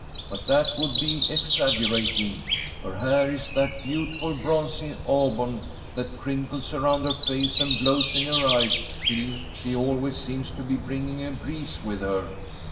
But that would be exaggerating. Her hair is that beautiful bronzy auburn that crinkles around her face and blows in her eyes till she always seems to be bringing a breeze with her."